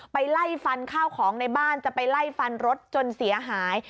ไล่ฟันข้าวของในบ้านจะไปไล่ฟันรถจนเสียหาย